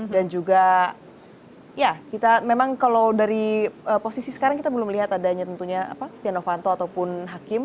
dan juga ya kita memang kalau dari posisi sekarang kita belum melihat adanya tentunya satyana vanto ataupun hakim